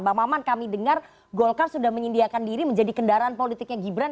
bang maman kami dengar golkar sudah menyediakan diri menjadi kendaraan politiknya gibran